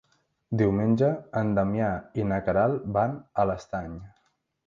Diumenge en Damià i na Queralt van a l'Estany.